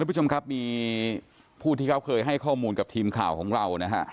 ผู้ชมครับมีผู้ที่เขาเคยให้ข้อมูลกับทีมข่าวของเรานะฮะ